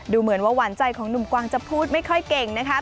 เหมือนว่าหวานใจของหนุ่มกวางจะพูดไม่ค่อยเก่งนะคะ